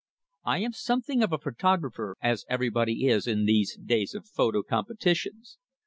I am something of a photographer, as everybody is in these days of photo competitions.